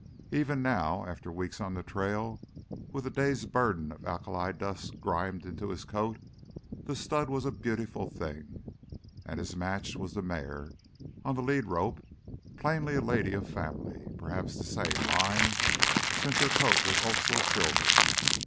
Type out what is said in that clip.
Even now, after weeks on the trail, with a day's burden of alkali dust grimed into his coat, the stud was a beautiful thing. And his match was the mare on the lead rope, plainly a lady of family, perhaps of the same line, since her coat was also silver.